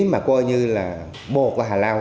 mà coi như là bồ của hà lao